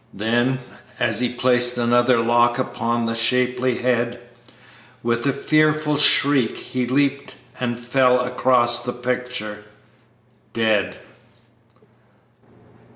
Then, as he placed another lock upon the shapely head, With a fearful shriek, he leaped and fell across the picture dead.